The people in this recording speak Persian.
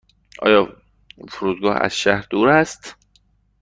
آیا فرودگاه از شهر دور است؟